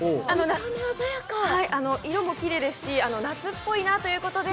色もきれいですし夏っぽいなということで。